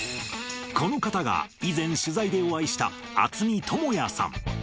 この方が以前、取材でお会いした渥美智也さん。